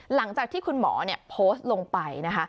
หลังจากที่คุณหมอโพสต์ลงไปนะคะ